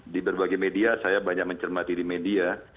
di berbagai media saya banyak mencermati di media